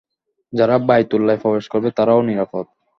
যারা বাইতুল্লায় প্রবেশ করবে তারাও নিরাপদ।